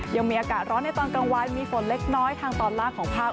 ยังมีอากาศร้อนในตอนกลางวันมีฝนเล็กน้อยทางตอนล่างของภาค